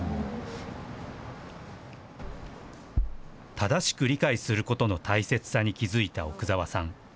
正しく理解することの大切さに気付いた奥澤さん。